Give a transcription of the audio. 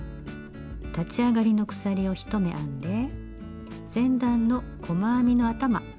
立ち上がりの鎖１目を編んで前段の細編みの頭。